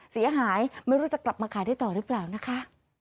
เสียหายไม่รู้จะกลับมาขายได้ต่อหรือเปล่านะคะ